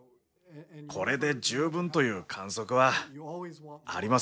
これで十分という観測はありません。